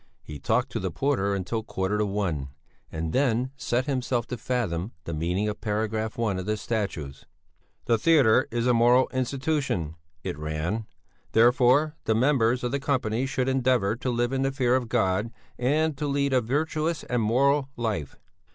He talked to the porter until a quarter to one, and then set himself to fathom the meaning of paragraph 1 of the statutes. "The theatre is a moral institution," it ran, "therefore the members of the company should endeavour to live in the fear of God, and to lead a virtuous and moral life."